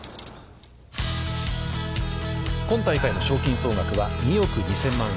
今大会の賞金総額は２億２０００万円。